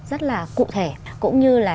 rất là cụ thể cũng như là